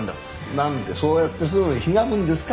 なんでそうやってすぐひがむんですか。